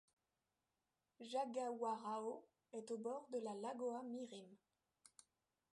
Jagauarão est au bord de la Lagoa Mirim.